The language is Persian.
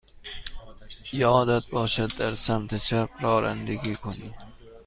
یادت باشد در سمت چپ رانندگی کنی.